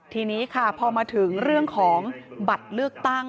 ทีนี้ค่ะพอมาถึงเรื่องของบัตรเลือกตั้ง